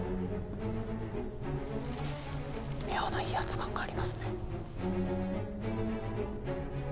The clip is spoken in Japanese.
妙な威圧感がありますね。